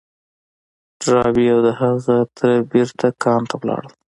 ډاربي او د هغه تره بېرته کان ته ولاړل.